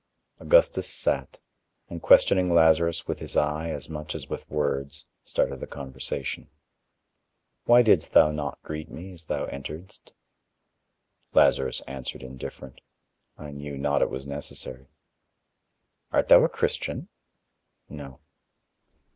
Augustus sat, and questioning Lazarus with his eye as much as with words, started the conversation: "Why didst thou not greet me as thou enteredst?" Lazarus answered indifferent: "I knew not it was necessary." "Art thou a Christian?" "No."